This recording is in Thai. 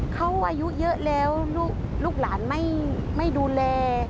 เขาอายุเยอะแล้วลูกหลานไม่ดูแล